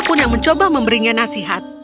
pun yang mencoba memberinya nasihat